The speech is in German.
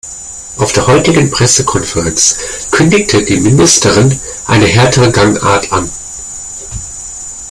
Auf der heutigen Pressekonferenz kündigte die Ministerin eine härtere Gangart an.